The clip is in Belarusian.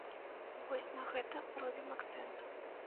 Вось на гэта робім акцэнт.